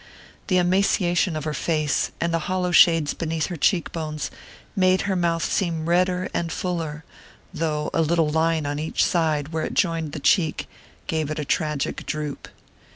The emaciation of her face, and the hollow shades beneath her cheek bones, made her mouth seem redder and fuller, though a little line on each side, where it joined the cheek, gave it a tragic droop.